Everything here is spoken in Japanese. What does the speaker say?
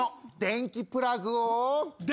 電気プラグ？